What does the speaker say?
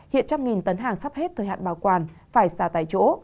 hiện trăm nghìn tấn hàng sắp hết thời hạn bảo quản phải xả tại chỗ